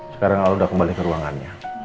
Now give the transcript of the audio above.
sekarang allah udah kembali ke ruangannya